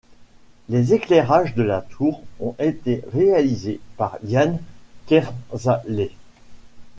Les éclairages de la tour ont été réalisés par Yann Kersalé.